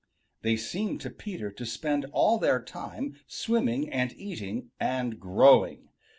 They seemed to Peter to spend all their time swimming and eating and growing.